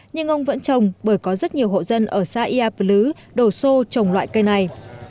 nhưng ông vẫn trồng bởi có rất nhiều hộ dân ở xã ia pứ đổ xô trồng loại cây này